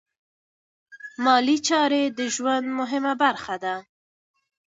مالي چارې د ژوند مهمه برخه ده.